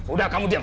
udah kamu diam